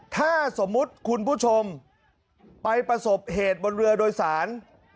ถ้าสมมุติคุณผู้ชมไปประสบเหตุบนเรือโดยสาร